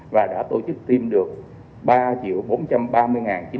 và đã tổ chức tiêm được ba triệu liều